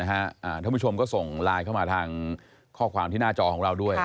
ท่านผู้ชมก็ส่งไลน์เข้ามาทางข้อความที่หน้าจอของเราด้วย